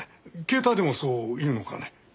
携帯でもそう言うのかね？